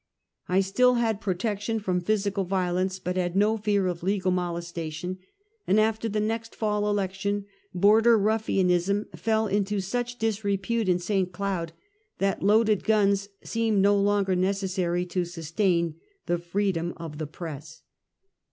I still had protection from physical violence, but had no fear of legal molestation, and after the next fall election, border rufiianism fell into such disrepute in St. Cloud that loaded guns seemed no longer neces sary to sustain the freedom of the press.